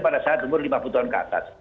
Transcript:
pada saat umur lima puluh tahun ke atas